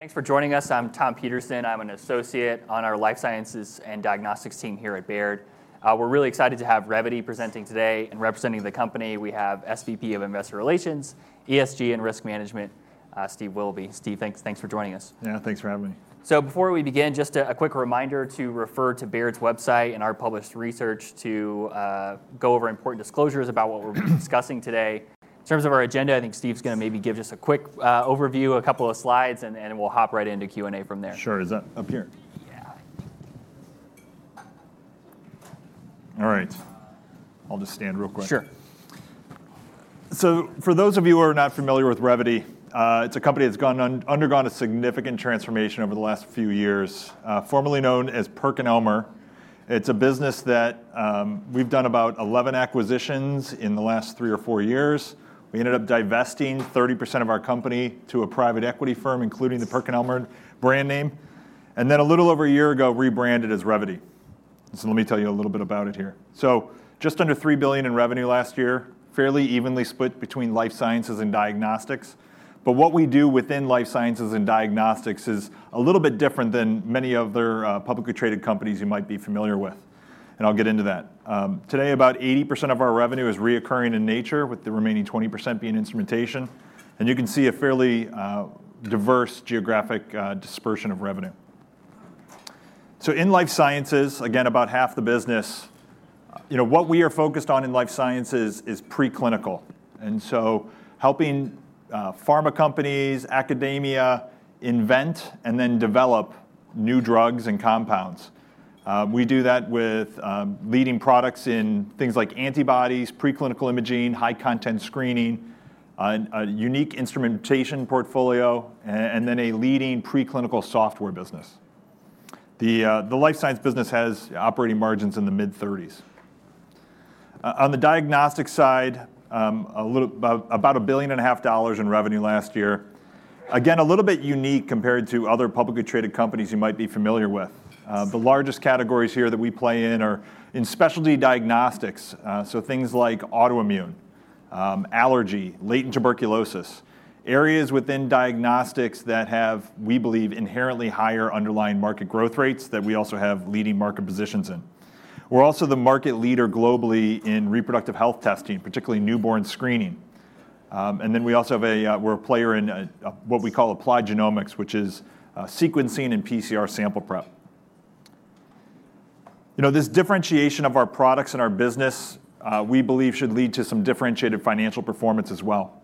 Thanks for joining us. I'm Tom Peterson. I'm an associate on our life sciences and diagnostics team here at Baird. We're really excited to have Revvity presenting today, and representing the company, we have SVP of Investor Relations, ESG, and Risk Management, Steve Willoughby. Steve, thanks. Thanks for joining us. Yeah, thanks for having me. So before we begin, just a quick reminder to refer to Baird's website and our published research to go over important disclosures about what we'll be discussing today. In terms of our agenda, I think Steve's gonna maybe give just a quick overview, a couple of slides, and then we'll hop right into Q&A from there. Sure. Is that up here? Yeah. All right. I'll just stand real quick. Sure. So for those of you who are not familiar with Revvity, it's a company that's undergone a significant transformation over the last few years. Formerly known as PerkinElmer, it's a business that we've done about 11 acquisitions in the last three or four years. We ended up divesting 30% of our company to a private equity firm, including the PerkinElmer brand name, and then a little over a year ago, rebranded as Revvity. So let me tell you a little bit about it here. So just under $3 billion in revenue last year, fairly evenly split between life sciences and diagnostics. But what we do within life sciences and diagnostics is a little bit different than many other publicly traded companies you might be familiar with, and I'll get into that. Today, about 80% of our revenue is recurring in nature, with the remaining 20% being instrumentation, and you can see a fairly diverse geographic dispersion of revenue. So in life sciences, again, about half the business, you know, what we are focused on in life sciences is preclinical, and so helping pharma companies, academia, invent and then develop new drugs and compounds. We do that with leading products in things like antibodies, preclinical imaging, high content screening, a unique instrumentation portfolio, and then a leading preclinical software business. The life sciences business has operating margins in the mid-thirties. On the diagnostic side, a little about $1.5 billion in revenue last year. Again, a little bit unique compared to other publicly traded companies you might be familiar with. The largest categories here that we play in are in specialty diagnostics, so things like autoimmune, allergy, latent tuberculosis, areas within diagnostics that have, we believe, inherently higher underlying market growth rates, that we also have leading market positions in. We're also the market leader globally in reproductive health testing, particularly newborn screening, and then we also have a... We're a player in, what we call applied genomics, which is, sequencing and PCR sample prep. You know, this differentiation of our products and our business, we believe, should lead to some differentiated financial performance as well.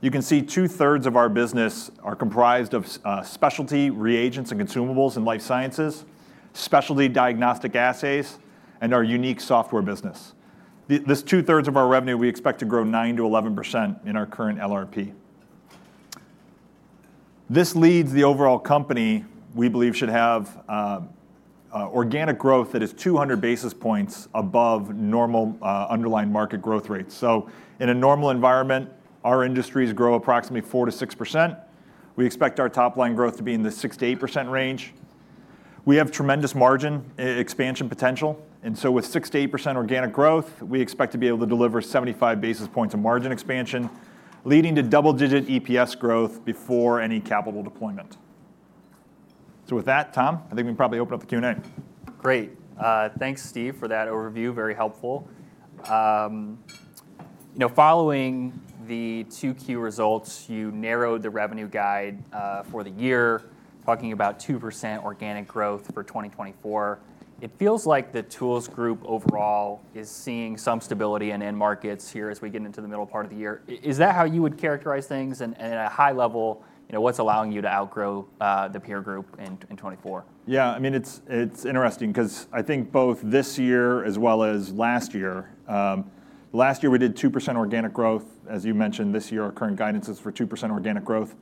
You can see two-thirds of our business are comprised of, specialty reagents and consumables in life sciences, specialty diagnostic assays, and our unique software business. This two-thirds of our revenue, we expect to grow 9%-11% in our current LRP. This leads the overall company, we believe, should have organic growth that is two hundred basis points above normal underlying market growth rates. So in a normal environment, our industries grow approximately 4-6%. We expect our top line growth to be in the 6-8% range. We have tremendous margin expansion potential, and so with 6-8% organic growth, we expect to be able to deliver seventy-five basis points of margin expansion, leading to double-digit EPS growth before any capital deployment. So with that, Tom, I think we can probably open up the Q&A. Great. Thanks, Steve, for that overview. Very helpful. You know, following the two key results, you narrowed the revenue guide for the year, talking about 2% organic growth for 2024. It feels like the tools group overall is seeing some stability in end markets here as we get into the middle part of the year. Is that how you would characterize things? And at a high level, you know, what's allowing you to outgrow the peer group in 2024? Yeah, I mean, it's, it's interesting because I think both this year as well as last year. Last year, we did 2% organic growth, as you mentioned. This year, our current guidance is for 2% organic growth.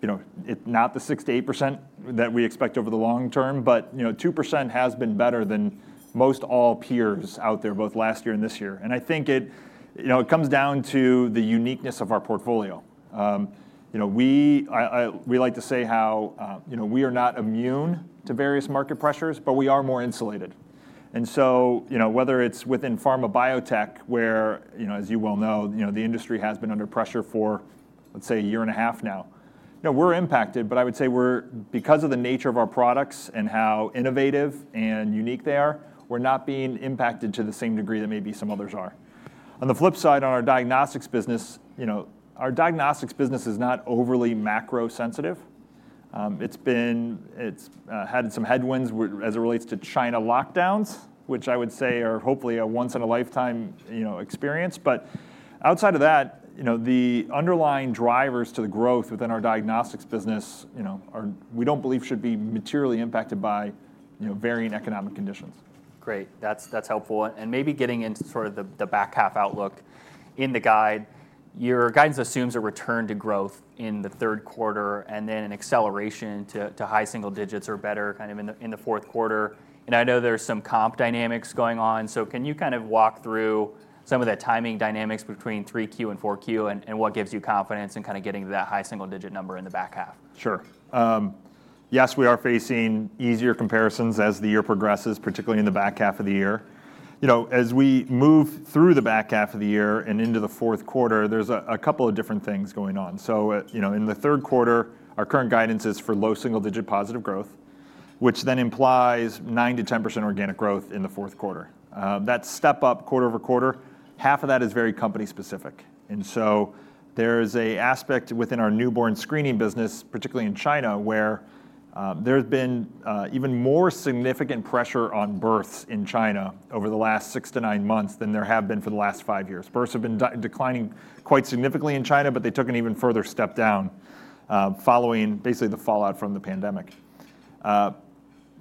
You know, it's not the 6%-8% that we expect over the long term, but, you know, 2% has been better than most all peers out there, both last year and this year. And I think it, you know, comes down to the uniqueness of our portfolio. You know, we like to say how, you know, we are not immune to various market pressures, but we are more insulated. And so, you know, whether it's within pharma biotech, where, you know, as you well know, you know, the industry has been under pressure for, let's say, a year and a half now, you know, we're impacted, but I would say we're because of the nature of our products and how innovative and unique they are, we're not being impacted to the same degree that maybe some others are. On the flip side, on our diagnostics business, you know, our diagnostics business is not overly macro-sensitive. It's been. It's had some headwinds as it relates to China lockdowns, which I would say are hopefully a once-in-a-lifetime, you know, experience. But outside of that, you know, the underlying drivers to the growth within our diagnostics business, you know, are. We don't believe should be materially impacted by, you know, varying economic conditions. Great, that's helpful. And maybe getting into sort of the back half outlook in the guide, your guidance assumes a return to growth in the Q3, and then an acceleration to high single digits or better, kind of in the Q4. And I know there's some comp dynamics going on. So can you kind of walk through some of the timing dynamics between Q3 and Q4, and what gives you confidence in kind of getting to that high single digit number in the back half? Sure. Yes, we are facing easier comparisons as the year progresses, particularly in the back half of the year. You know, as we move through the back half of the year and into the Q4, there's a couple of different things going on. So, you know, in the Q3, our current guidance is for low single-digit positive growth, which then implies 9%-10% organic growth in the Q4. That step up quarter over quarter, half of that is very company specific. And so there's an aspect within our newborn screening business, particularly in China, where there has been even more significant pressure on births in China over the last six to nine months than there have been for the last five years. Births have been declining quite significantly in China, but they took an even further step down, following basically the fallout from the pandemic.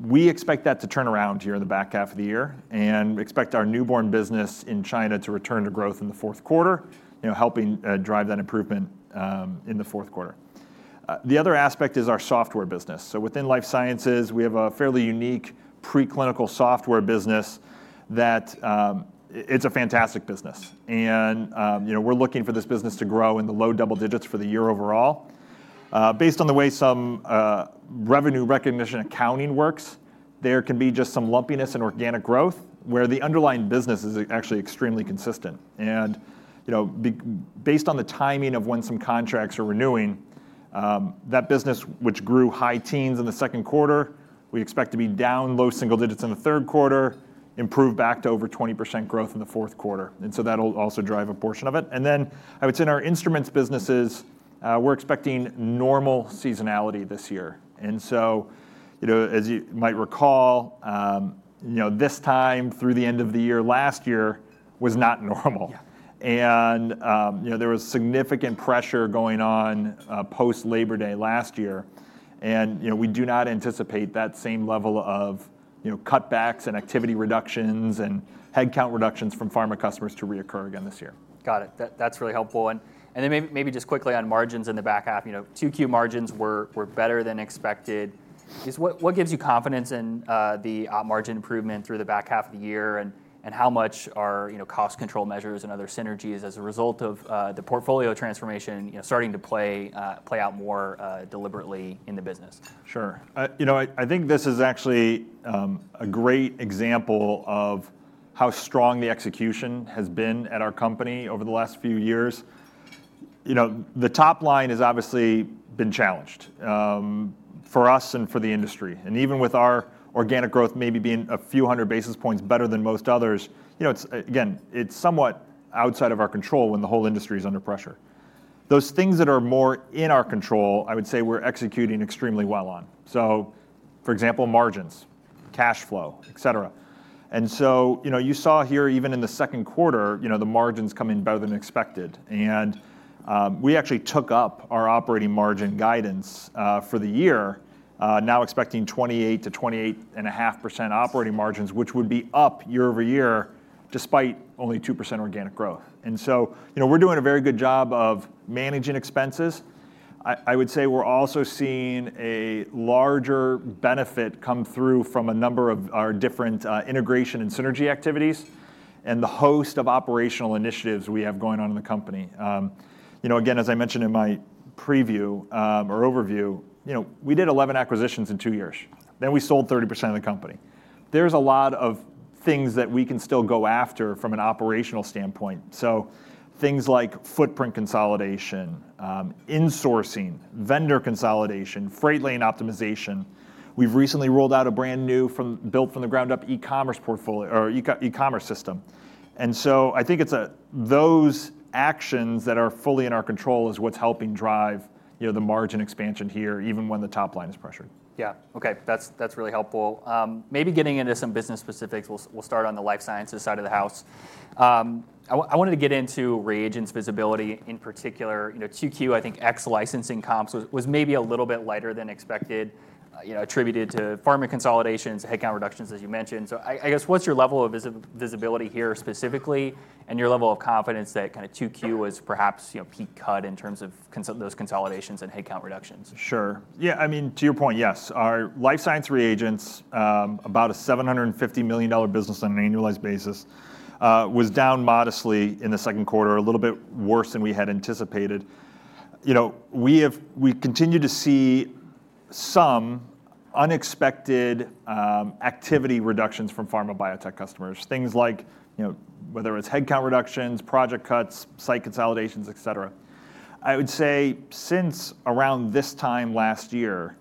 We expect that to turn around here in the back half of the year, and we expect our newborn business in China to return to growth in the Q4, you know, helping drive that improvement in the Q4. The other aspect is our software business. So within life sciences, we have a fairly unique preclinical software business that it's a fantastic business. And, you know, we're looking for this business to grow in the low double digits for the year overall. Based on the way some revenue recognition accounting works, there can be just some lumpiness in organic growth, where the underlying business is actually extremely consistent. And, you know, based on the timing of when some contracts are renewing, that business, which grew high teens in the Q2, we expect to be down low single digits in the Q3, improve back to over 20% growth in the Q4. And so that'll also drive a portion of it. And then, I would say, in our instruments businesses, we're expecting normal seasonality this year. And so, you know, as you might recall, you know, this time through the end of the year last year was not normal. Yeah. You know, there was significant pressure going on post-Labor Day last year. You know, we do not anticipate that same level of, you know, cutbacks and activity reductions and headcount reductions from pharma customers to reoccur again this year. Got it. That, that's really helpful. And then maybe just quickly on margins in the back half, you know, Q2 margins were better than expected. Just what gives you confidence in the op margin improvement through the back half of the year, and how much are, you know, cost control measures and other synergies as a result of the portfolio transformation, you know, starting to play out more deliberately in the business? Sure. You know, I think this is actually a great example of how strong the execution has been at our company over the last few years. You know, the top line has obviously been challenged for us and for the industry. And even with our organic growth maybe being a few hundred basis points better than most others, you know, it's somewhat outside of our control when the whole industry is under pressure. Those things that are more in our control, I would say we're executing extremely well on, so for example, margins, cash flow, et cetera. And so, you know, you saw here, even in the Q2, you know, the margins come in better than expected, and we actually took up our operating margin guidance for the year, now expecting 28% to 28.5% operating margins, which would be up year over year, despite only 2% organic growth. And so, you know, we're doing a very good job of managing expenses. I would say we're also seeing a larger benefit come through from a number of our different integration and synergy activities and the host of operational initiatives we have going on in the company. You know, again, as I mentioned in my preview or overview, you know, we did 11 acquisitions in two years, then we sold 30% of the company. There's a lot of things that we can still go after from an operational standpoint, so things like footprint consolidation, insourcing, vendor consolidation, freight lane optimization. We've recently rolled out a brand-new built from the ground up e-commerce portfolio or e-commerce system. And so I think it's, those actions that are fully in our control is what's helping drive, you know, the margin expansion here, even when the top line is pressured. Yeah. Okay, that's really helpful. Maybe getting into some business specifics, we'll start on the life sciences side of the house. I wanted to get into reagents visibility, in particular, you know, Q2, I think ex-licensing comps was maybe a little bit lighter than expected, you know, attributed to pharma consolidations, headcount reductions, as you mentioned. So I guess, what's your level of visibility here specifically, and your level of confidence that kind of Q2 is perhaps, you know, peak cut in terms of those consolidations and headcount reductions? Sure. Yeah, I mean, to your point, yes, our life science reagents, about a $750 million business on an annualized basis, was down modestly in the Q2, a little bit worse than we had anticipated. You know, we continue to see some unexpected, activity reductions from pharma biotech customers, things like, you know, whether it's headcount reductions, project cuts, site consolidations, et cetera. I would say since around this time last year,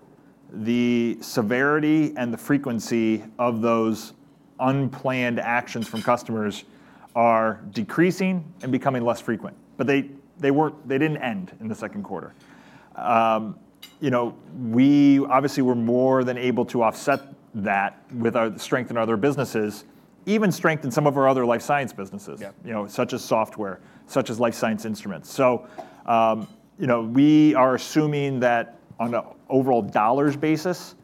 the severity and the frequency of those unplanned actions from customers are decreasing and becoming less frequent. But they weren't. They didn't end in the Q2. You know, we obviously were more than able to offset that with our strength in other businesses, even strength in some of our other life science businesses- Yeah... you know, such as software, such as life science instruments. So, you know, we are assuming that on an overall dollars basis,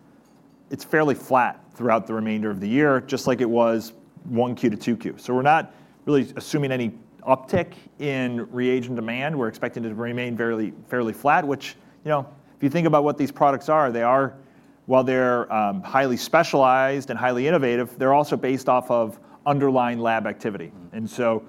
it's fairly flat throughout the remainder of the year, just like it was Q1 to Q2. So we're not really assuming any uptick in reagent demand. We're expecting it to remain fairly, fairly flat, which, you know, if you think about what these products are, they are, while they're highly specialized and highly innovative, they're also based off of underlying lab activity. Mm-hmm. And so,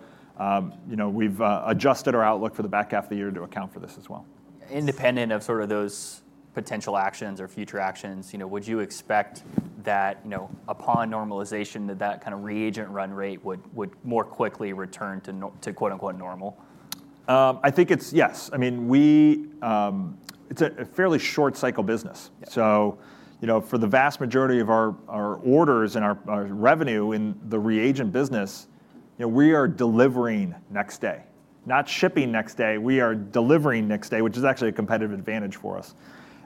you know, we've adjusted our outlook for the back half of the year to account for this as well. Independent of sort of those potential actions or future actions, you know, would you expect that, you know, upon normalization, that kind of reagent run rate would more quickly return to, quote-unquote, "normal? I think it's. Yes, I mean, we. It's a fairly short cycle business. Yeah. You know, for the vast majority of our orders and our revenue in the reagent business, you know, we are delivering next day. Not shipping next day, we are delivering next day, which is actually a competitive advantage for us.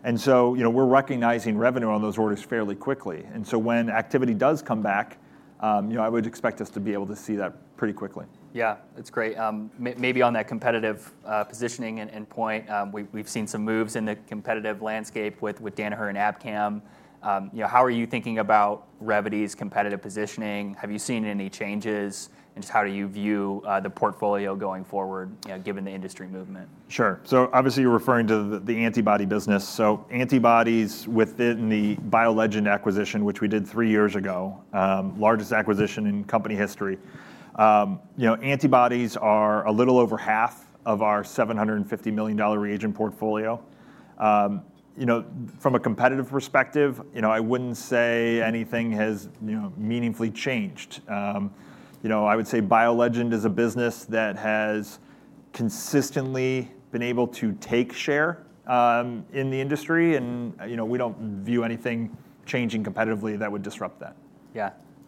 You know, we're recognizing revenue on those orders fairly quickly. When activity does come back, you know, I would expect us to be able to see that pretty quickly. Yeah, that's great. Maybe on that competitive positioning and point, we've seen some moves in the competitive landscape with Danaher and Abcam. You know, how are you thinking about Revvity's competitive positioning? Have you seen any changes, and just how do you view the portfolio going forward, given the industry movement? Sure. So obviously, you're referring to the antibody business. So antibodies within the BioLegend acquisition, which we did three years ago, largest acquisition in company history. You know, antibodies are a little over half of our $750 million reagent portfolio. You know, from a competitive perspective, you know, I wouldn't say anything has, you know, meaningfully changed. You know, I would say BioLegend is a business that has consistently been able to take share in the industry, and, you know, we don't view anything changing competitively that would disrupt that.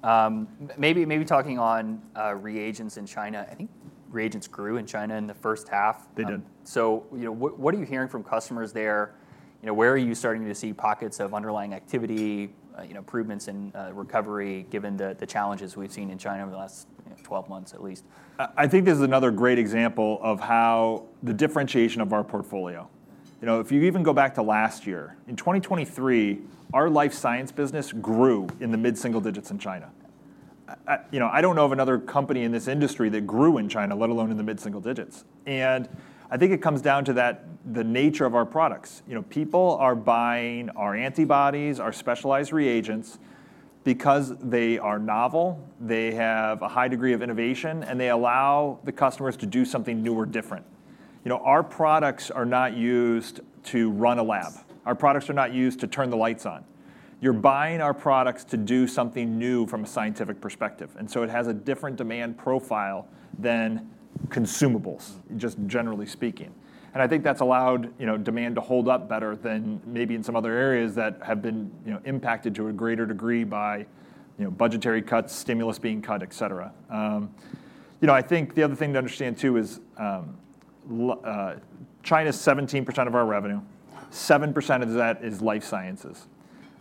Yeah. Maybe talking about reagents in China, I think reagents grew in China in the first half. They did. So, you know, what are you hearing from customers there? You know, where are you starting to see pockets of underlying activity, you know, improvements in, recovery, given the challenges we've seen in China over the last, 12 months, at least? I think this is another great example of how the differentiation of our portfolio. You know, if you even go back to last year, in 2023, our life science business grew in the mid-single digits in China. You know, I don't know of another company in this industry that grew in China, let alone in the mid-single digits. And I think it comes down to that, the nature of our products. You know, people are buying our antibodies, our specialized reagents, because they are novel, they have a high degree of innovation, and they allow the customers to do something new or different. You know, our products are not used to run a lab. Our products are not used to turn the lights on. You're buying our products to do something new from a scientific perspective, and so it has a different demand profile than consumables, just generally speaking. And I think that's allowed, you know, demand to hold up better than maybe in some other areas that have been, you know, impacted to a greater degree by, you know, budgetary cuts, stimulus being cut, etcetera. You know, I think the other thing to understand, too, is, China's 17% of our revenue, 7% of that is life sciences.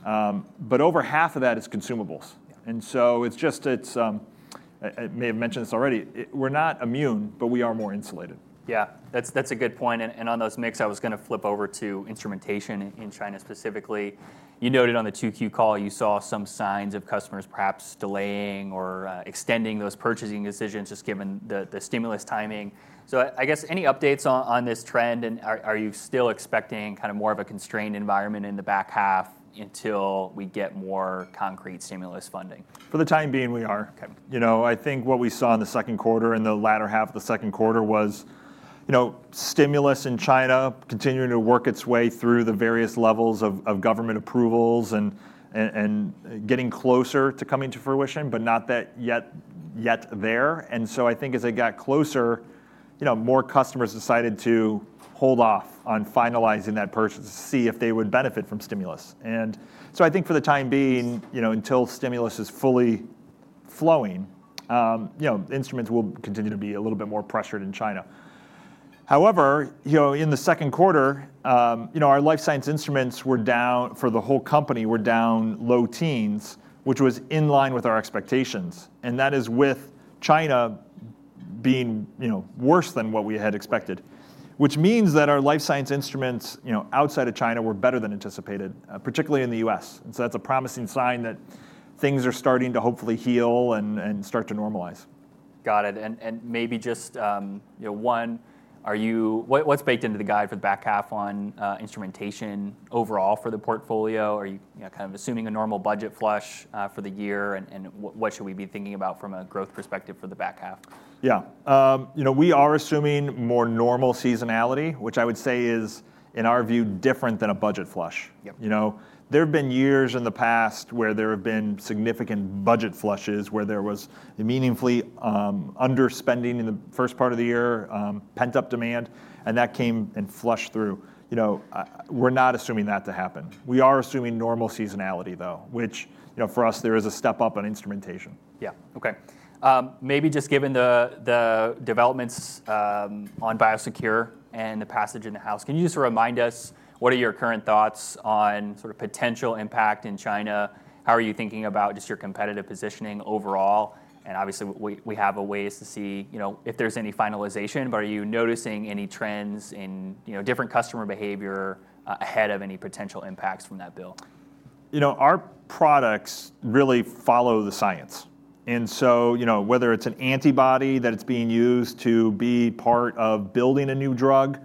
But over half of that is consumables. Yeah. And so it's just. I may have mentioned this already. We're not immune, but we are more insulated. Yeah, that's a good point, and on those mix, I was gonna flip over to instrumentation in China, specifically. You noted on the Q2 call you saw some signs of customers perhaps delaying or extending those purchasing decisions, just given the stimulus timing. So I guess, any updates on this trend, and are you still expecting kind of more of a constrained environment in the back half until we get more concrete stimulus funding? For the time being, we are. Okay. You know, I think what we saw in the Q2, in the latter half of the Q2, was, you know, stimulus in China continuing to work its way through the various levels of government approvals, and getting closer to coming to fruition, but not yet there. And so I think as it got closer, you know, more customers decided to hold off on finalizing that purchase to see if they would benefit from stimulus. And so I think for the time being, you know, until stimulus is fully flowing, you know, instruments will continue to be a little bit more pressured in China. However, you know, in the Q2, you know, our life science instruments were down, for the whole company, were down low teens, which was in line with our expectations, and that is with China being, you know, worse than what we had expected. Which means that our life science instruments, you know, outside of China, were better than anticipated, particularly in the U.S., and so that's a promising sign that things are starting to hopefully heal and, and start to normalize. Got it. And maybe just, you know, one: are you... what's baked into the guide for the back half on instrumentation overall for the portfolio? Are you, you know, kind of assuming a normal budget flush for the year, and what should we be thinking about from a growth perspective for the back half? Yeah. You know, we are assuming more normal seasonality, which I would say is, in our view, different than a budget flush. Yep. You know, there have been years in the past where there have been significant budget flushes, where there was a meaningfully underspending in the first part of the year, pent-up demand, and that came and flushed through. You know, we're not assuming that to happen. We are assuming normal seasonality, though, which, you know, for us, there is a step up on instrumentation. Yeah. Okay, maybe just given the developments on Biosecure and the passage in the House, can you just remind us, what are your current thoughts on sort of potential impact in China? How are you thinking about just your competitive positioning overall? And obviously, we have a ways to see, you know, if there's any finalization, but are you noticing any trends in, you know, different customer behavior ahead of any potential impacts from that bill? You know, our products really follow the science, and so, you know, whether it's an antibody that it's being used to be part of building a new drug,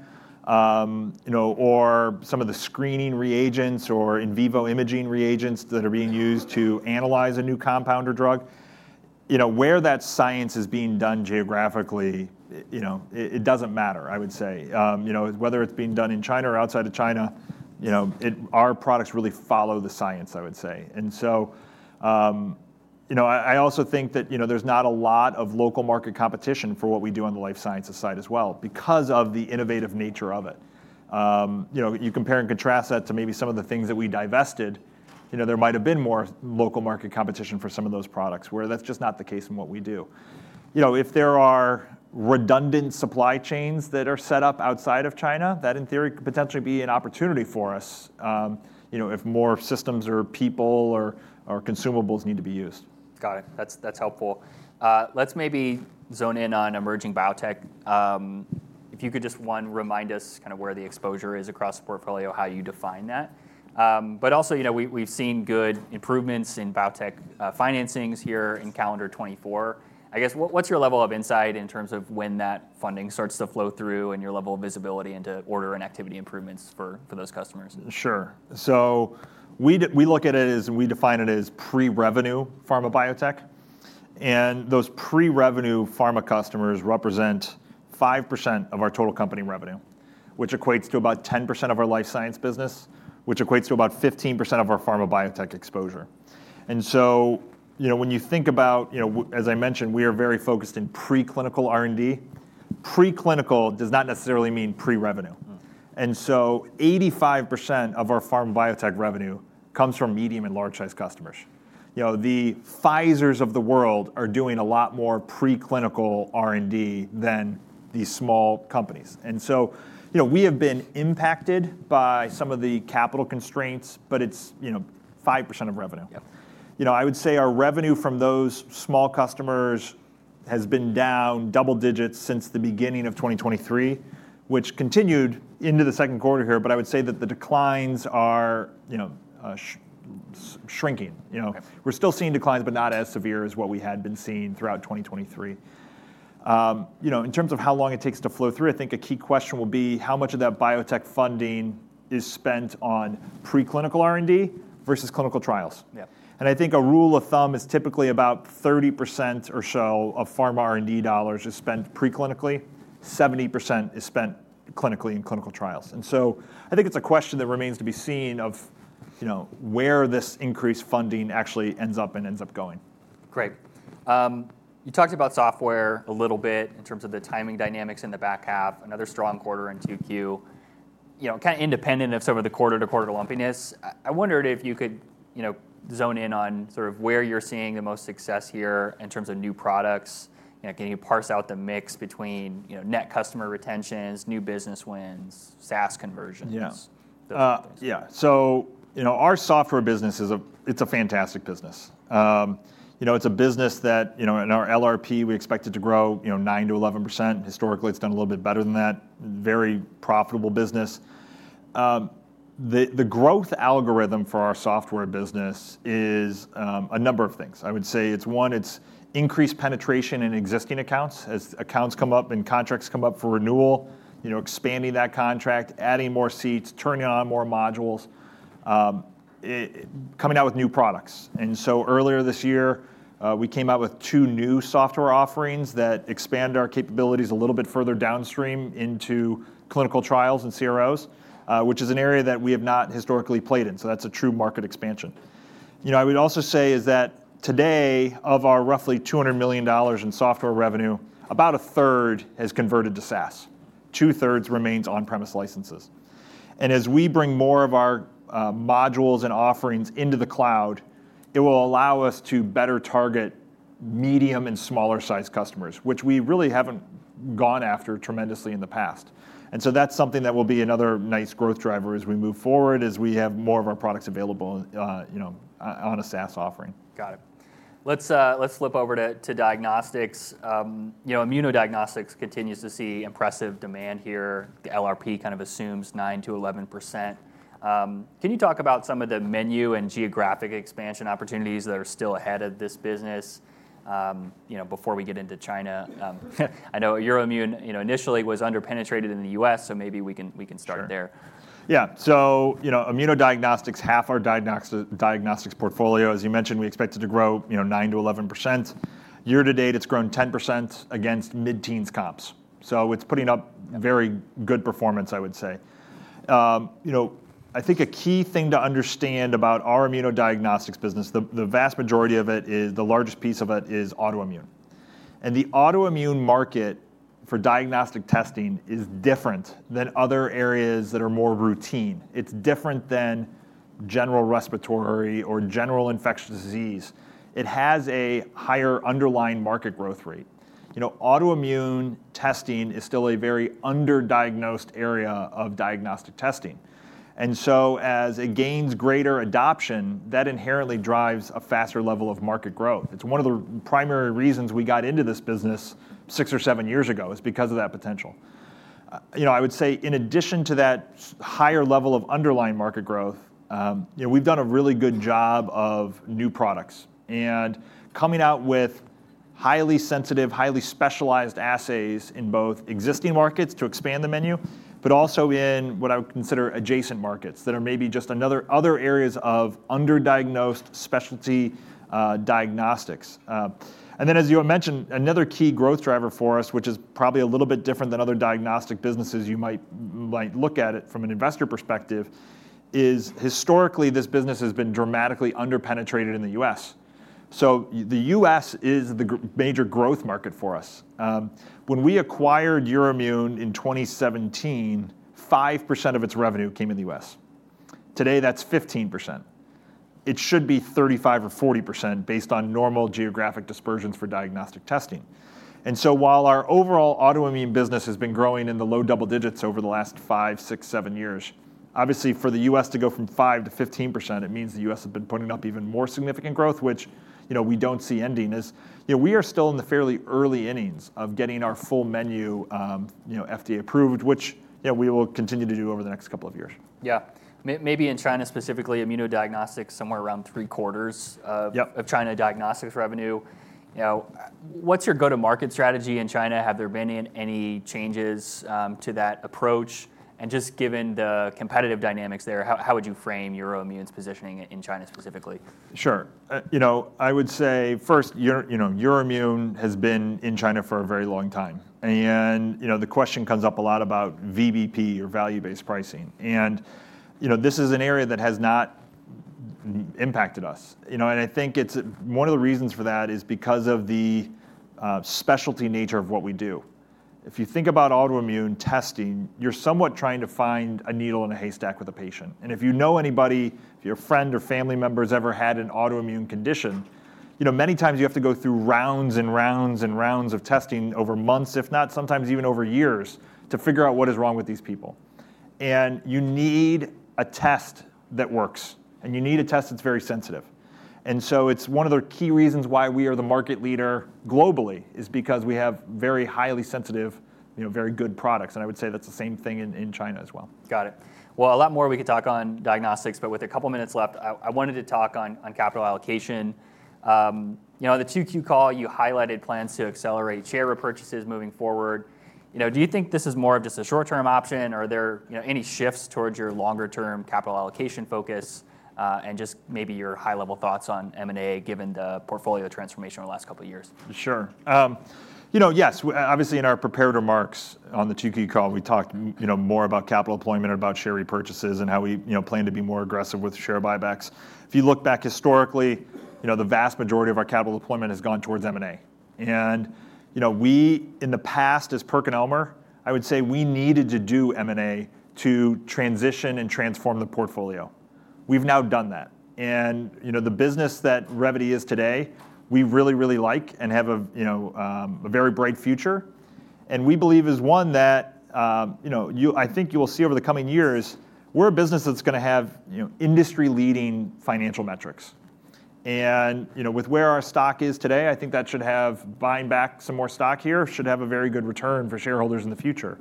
you know, or some of the screening reagents or in vivo imaging reagents that are being used to analyze a new compound or drug, you know, where that science is being done geographically, you know, it doesn't matter, I would say. You know, whether it's being done in China or outside of China, you know, our products really follow the science, I would say, and so, you know, I also think that, you know, there's not a lot of local market competition for what we do on the life sciences side as well, because of the innovative nature of it. You know, you compare and contrast that to maybe some of the things that we divested, you know, there might have been more local market competition for some of those products, where that's just not the case in what we do. You know, if there are redundant supply chains that are set up outside of China, that, in theory, could potentially be an opportunity for us, you know, if more systems or people or consumables need to be used. Got it. That's, that's helpful. Let's maybe zone in on emerging biotech. If you could just one remind us kind of where the exposure is across the portfolio, how you define that. But also, you know, we've seen good improvements in biotech financings here in calendar 2024. I guess, what's your level of insight in terms of when that funding starts to flow through, and your level of visibility into order and activity improvements for those customers? Sure. So we look at it as, and we define it as pre-revenue pharma biotech. And those pre-revenue pharma customers represent 5% of our total company revenue, which equates to about 10% of our life science business, which equates to about 15% of our pharma biotech exposure. And so, you know, when you think about, you know, as I mentioned, we are very focused in preclinical R&D. Preclinical does not necessarily mean pre-revenue. Mm. And so 85% of our pharma biotech revenue comes from medium and large-sized customers. You know, the Pfizers of the world are doing a lot more preclinical R&D than these small companies. And so, you know, we have been impacted by some of the capital constraints, but it's, you know, 5% of revenue. Yeah. You know, I would say our revenue from those small customers has been down double digits since the beginning of 2023, which continued into the Q2 here. But I would say that the declines are, you know, shrinking, you know? Okay. We're still seeing declines, but not as severe as what we had been seeing throughout 2023. You know, in terms of how long it takes to flow through, I think a key question will be: How much of that biotech funding is spent on preclinical R&D versus clinical trials? Yeah. I think a rule of thumb is typically about 30% or so of pharma R&D dollars is spent preclinically, 70% is spent clinically in clinical trials. So I think it's a question that remains to be seen, of, you know, where this increased funding actually ends up and ends up going. Great. You talked about software a little bit in terms of the timing dynamics in the back half, another strong quarter in Q2. You know, kinda independent of some of the quarter-to-quarter lumpiness, I wondered if you could, you know, zone in on sort of where you're seeing the most success here in terms of new products. You know, can you parse out the mix between, you know, net customer retentions, new business wins, SaaS conversions- Yeah... those things? Yeah. So, you know, our software business is a... It's a fantastic business. You know, it's a business that, you know, in our LRP, we expect it to grow, you know, 9%-11%. Historically, it's done a little bit better than that. Very profitable business. The growth algorithm for our software business is a number of things. I would say it's, one, it's increased penetration in existing accounts. As accounts come up, and contracts come up for renewal, you know, expanding that contract, adding more seats, turning on more modules, coming out with new products. And so earlier this year, we came out with two new software offerings that expand our capabilities a little bit further downstream into clinical trials and CROs, which is an area that we have not historically played in. So that's a true market expansion. You know, I would also say is that today, of our roughly $200 million in software revenue, about a third has converted to SaaS, two-thirds remains on-premise licenses. And as we bring more of our modules and offerings into the cloud, it will allow us to better target medium and smaller-sized customers, which we really haven't gone after tremendously in the past. And so that's something that will be another nice growth driver as we move forward, as we have more of our products available, you know, on a SaaS offering. Got it. Let's flip over to diagnostics. You know, immunodiagnostics continues to see impressive demand here. The LRP kind of assumes 9%-11%. Can you talk about some of the menu and geographic expansion opportunities that are still ahead of this business, you know, before we get into China? I know Euroimmun, you know, initially was under-penetrated in the US, so maybe we can start there. Sure. Yeah. So, you know, immunodiagnostics, half our diagnostics portfolio, as you mentioned, we expect it to grow, you know, 9%-11%. Year to date, it's grown 10% against mid-teens comps, so it's putting up a very good performance, I would say. You know, I think a key thing to understand about our immunodiagnostics business, the vast majority of it is the largest piece of it is autoimmune. And the autoimmune market for diagnostic testing is different than other areas that are more routine. It's different than general respiratory or general infectious disease. It has a higher underlying market growth rate. You know, autoimmune testing is still a very under-diagnosed area of diagnostic testing, and so as it gains greater adoption, that inherently drives a faster level of market growth. It's one of the primary reasons we got into this business six or seven years ago, is because of that potential. You know, I would say, in addition to that higher level of underlying market growth, you know, we've done a really good job of new products. And coming out with highly sensitive, highly specialized assays in both existing markets to expand the menu, but also in what I would consider adjacent markets, that are maybe just another other areas of under-diagnosed specialty diagnostics. And then, as you had mentioned, another key growth driver for us, which is probably a little bit different than other diagnostic businesses you might look at it from an investor perspective, is historically, this business has been dramatically under-penetrated in the U.S. So the U.S. is the major growth market for us. When we acquired Euroimmun in 2017, 5% of its revenue came in the US. Today, that's 15%. It should be 35 or 40% based on normal geographic dispersions for diagnostic testing. And so while our overall autoimmune business has been growing in the low double digits over the last five, six, seven years, obviously, for the US to go from 5 to 15%, it means the US has been putting up even more significant growth, which, you know, we don't see ending, as you know, we are still in the fairly early innings of getting our full menu, you know, FDA approved, which, you know, we will continue to do over the next couple of years. Yeah. Maybe in China, specifically, immunodiagnostics, somewhere around three-quarters of- Yep... of China diagnostics revenue. You know, what's your go-to-market strategy in China? Have there been any changes to that approach? And just given the competitive dynamics there, how would you frame Euroimmun's positioning in China, specifically? Sure. You know, I would say, first, Euroimmun has been in China for a very long time. And, you know, the question comes up a lot about VBP, or value-based pricing. And, you know, this is an area that has not impacted us, you know? And I think it's, one of the reasons for that is because of the specialty nature of what we do. If you think about autoimmune testing, you're somewhat trying to find a needle in a haystack with a patient. And if you know anybody, if your friend or family member has ever had an autoimmune condition, you know, many times you have to go through rounds and rounds and rounds of testing over months, if not sometimes even over years, to figure out what is wrong with these people. You need a test that works, and you need a test that's very sensitive. So it's one of the key reasons why we are the market leader globally, is because we have very highly sensitive, you know, very good products. I would say that's the same thing in China as well. Got it. Well, a lot more we could talk on diagnostics, but with a couple minutes left, I wanted to talk on capital allocation. You know, on the Q2 call, you highlighted plans to accelerate share repurchases moving forward. You know, do you think this is more of just a short-term option, or are there, you know, any shifts towards your longer-term capital allocation focus, and just maybe your high-level thoughts on M&A, given the portfolio transformation over the last couple of years. Sure. You know, yes, obviously, in our prepared remarks on the Q2 call, we talked, you know, more about capital employment and about share repurchases, and how we, you know, plan to be more aggressive with share buybacks. If you look back historically, you know, the vast majority of our capital deployment has gone towards M&A, and, you know, we, in the past, as PerkinElmer, I would say we needed to do M&A to transition and transform the portfolio. We've now done that, and, you know, the business that Revvity is today, we really, really like, and have a, you know, a very bright future, and we believe is one that, you know, you... I think you will see over the coming years, we're a business that's gonna have, you know, industry-leading financial metrics. You know, with where our stock is today, I think that should have buying back some more stock here, should have a very good return for shareholders in the future.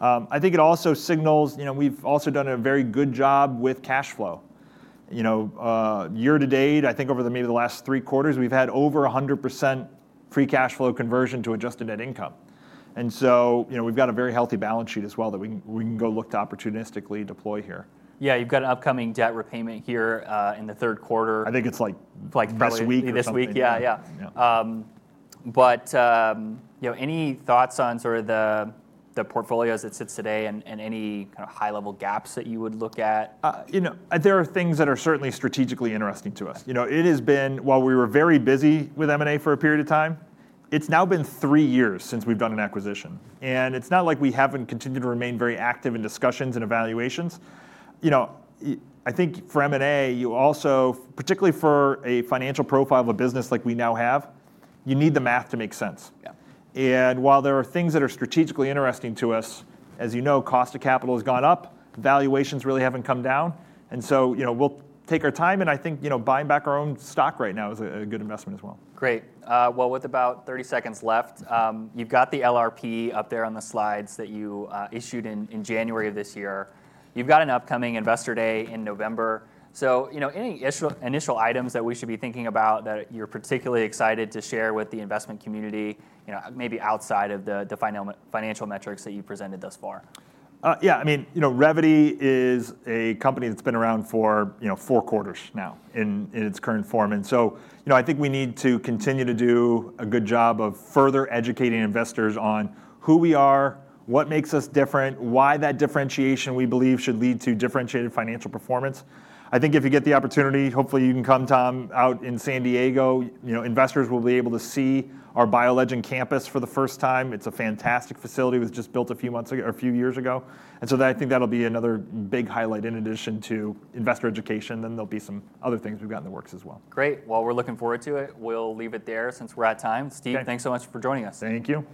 I think it also signals, you know, we've also done a very good job with cash flow. You know, year to date, I think maybe the last three quarters, we've had over 100% free cash flow conversion to adjusted net income. So, you know, we've got a very healthy balance sheet as well, that we can go look to opportunistically deploy here. Yeah, you've got an upcoming debt repayment here, in the Q3. I think it's, like, next week or something. Like, this week. Yeah, yeah. Yeah. But, you know, any thoughts on sort of the portfolio as it sits today and any kind of high-level gaps that you would look at? You know, there are things that are certainly strategically interesting to us. You know, it has been... While we were very busy with M&A for a period of time, it's now been three years since we've done an acquisition. And it's not like we haven't continued to remain very active in discussions and evaluations. You know, I think for M&A, you also, particularly for a financial profile of a business like we now have, you need the math to make sense. Yeah. While there are things that are strategically interesting to us, as you know, cost of capital has gone up. Valuations really haven't come down, and so, you know, we'll take our time, and I think, you know, buying back our own stock right now is a good investment as well. Great. Well, with about 30 seconds left, you've got the LRP up there on the slides that you issued in January of this year. You've got an upcoming Investor Day in November. So, you know, any initial items that we should be thinking about that you're particularly excited to share with the investment community, you know, maybe outside of the financial metrics that you presented thus far? Yeah, I mean, you know, Revvity is a company that's been around for, you know, fourfour quarters now, in its current form, and so, you know, I think we need to continue to do a good job of further educating investors on who we are, what makes us different, why that differentiation, we believe, should lead to differentiated financial performance. I think if you get the opportunity, hopefully you can come, Tom, out in San Diego. You know, investors will be able to see our BioLegend campus for the first time. It's a fantastic facility. It was just built a few months ago, or a few years ago, and so that, I think that'll be another big highlight in addition to investor education, then there'll be some other things we've got in the works as well. Great. Well, we're looking forward to it. We'll leave it there since we're out of time. Okay. Steve, thanks so much for joining us. Thank you.